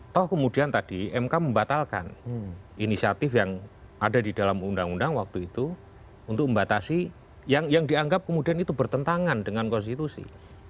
toh kemudian tadi mk membatalkan inisiatif yang ada di dalam undang undang waktu itu untuk membatasi yang dianggap kemudian itu bertentangan dengan konstitusi